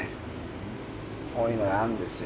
こういうのがあんですよ。